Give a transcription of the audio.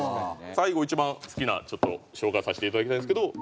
最後一番好きな紹介させていただきたいんですけど。